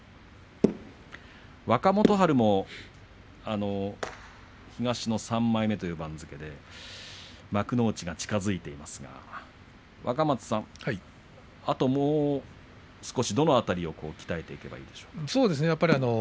若元春は東の３枚目という番付で幕内が近づいていますが若松さん、どの辺りを鍛えていけばいいでしょうか。